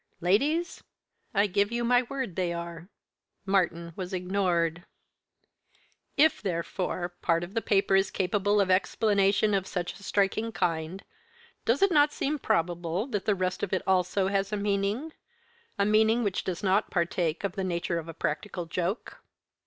Ladies, I give you my word they are." Martyn was ignored. "If, therefore, part of the paper is capable of explanation of such a striking kind, does it not seem probable that the rest of it also has a meaning a meaning which does not partake of the nature of a practical joke?"